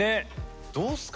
どうっすか？